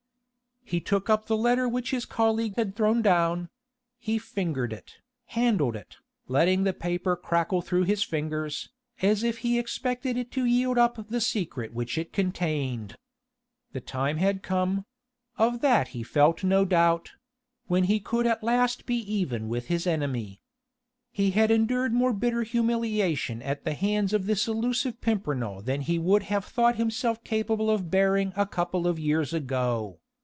He took up the letter which his colleague had thrown down: he fingered it, handled it, letting the paper crackle through his fingers, as if he expected it to yield up the secret which it contained. The time had come of that he felt no doubt when he could at last be even with his enemy. He had endured more bitter humiliation at the hands of this elusive Pimpernel than he would have thought himself capable of bearing a couple of years ago.